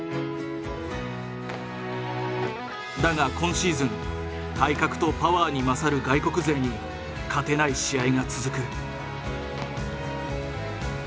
だが今シーズン体格とパワーに勝る外国勢に勝てない試合が続く。